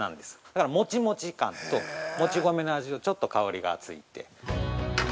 だから、もちもち感ともち米の味とちょっと香りがついて。